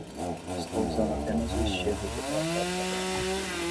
Estou usando apenas o estilo de relatório padrão.